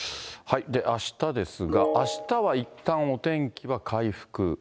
あしたですが、あしたはいったん、お天気は回復。